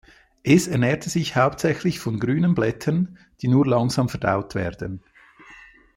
Es ernährt sich hauptsächlich von grünen Blättern, die nur langsam verdaut werden.